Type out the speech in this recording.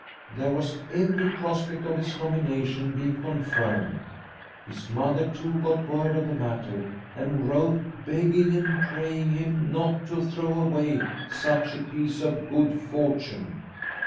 There was every prospect of his nomination being confirmed. His mother, too, got word of the matter, and wrote begging and praying him not to throw away such a piece of good fortune.